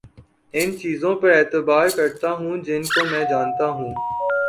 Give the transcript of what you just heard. ان چیزوں پر اعتبار کرتا ہوں جن کو میں جانتا ہوں